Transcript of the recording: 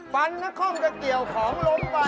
ฟันนักคล่อมก็เกี่ยวของล้มไป